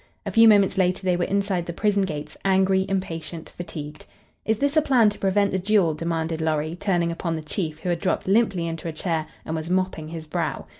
A few moments later they were inside the prison gates, angry, impatient, fatigued. "Is this a plan to prevent the duel?" demanded Lorry, turning upon the chief, who had dropped limply into a chair and was mopping his brow.